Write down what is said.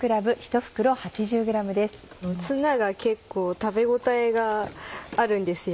ツナが結構食べ応えがあるんですよ。